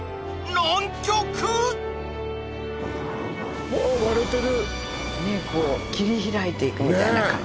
ねっこう切り開いていくみたいな感じ